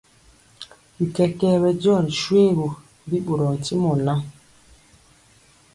Bi kɛkɛɛ bɛdiɔ ri shoégu, bi ɓorɔɔ ntimɔ ŋan,